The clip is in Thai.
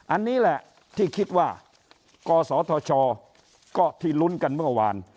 อันนี้แหละที่คิดว่ากศธชก็ที่ลุ้นกันเมื่อวาน